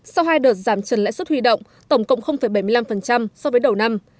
sau hai đợt giảm trần lãi suất huy động tổng cộng bảy mươi năm so với đầu năm